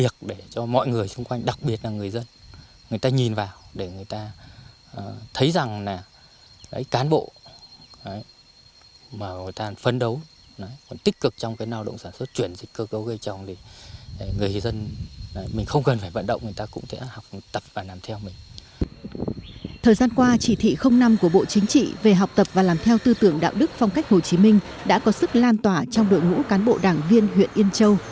thời gian qua chỉ thị năm của bộ chính trị về học tập và làm theo tư tưởng đạo đức phong cách hồ chí minh đã có sức lan tỏa trong đội ngũ cán bộ đảng viên huyện yên châu